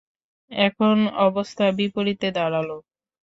এখন অবস্থা বিপরীতে দাঁড়াল।